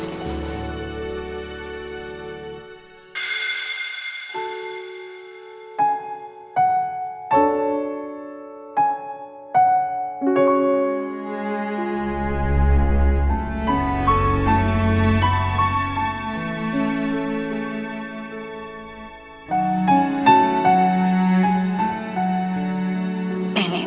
kamu juga nanggur